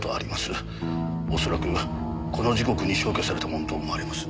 恐らくこの時刻に消去されたものと思われます。